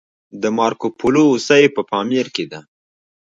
د مارکوپولو هوسۍ په پامیر کې ده